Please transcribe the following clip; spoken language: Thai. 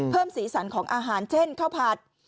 สีสันของอาหารเช่นข้าวผัด